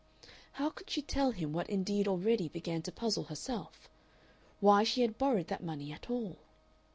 How could she tell him what indeed already began to puzzle herself, why she had borrowed that money at all?